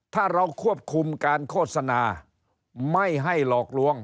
ถ้าเราควบคุมการโฆษณาไม่ให้หลอกลวง